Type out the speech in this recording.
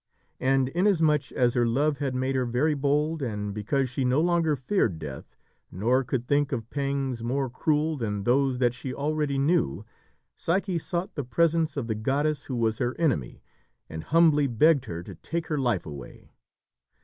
And inasmuch as her love had made her very bold, and because she no longer feared death, nor could think of pangs more cruel than those that she already knew, Psyche sought the presence of the goddess who was her enemy, and humbly begged her to take her life away.